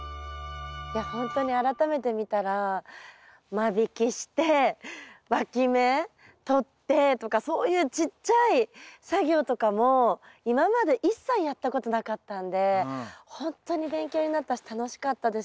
いやほんとに改めて見たら間引きしてわき芽とってとかそういうちっちゃい作業とかも今まで一切やったことなかったんでほんとに勉強になったし楽しかったです。